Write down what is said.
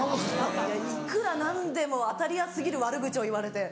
いくら何でも当たり屋過ぎる悪口を言われて。